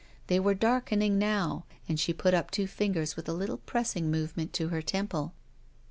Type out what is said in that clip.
They were darkening now and she put up two fingers with a little pressing move ment to her temple.